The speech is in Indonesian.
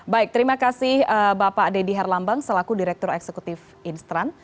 baik terima kasih bapak deddy herlambang selaku direktur eksekutif instran